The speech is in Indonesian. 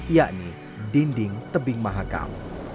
yakni dinding tebing mahakam